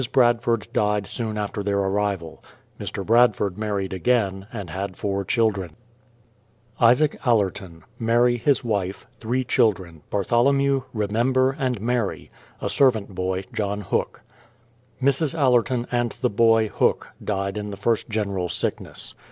Bradford died soon after their arrival. Mr. Bradford married again, and had four children. 840 THE PLYMOUTH SETTLEIVIENT 341 ISAAC ALLERTON ; Mary, his wife ; three children, Bartholomew, Remember, and Mary; a servant boy, JOHN HOOK. Mrs. AUerton, and the boy. Hook, died in the first general sickness.